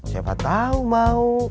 siapa tau mau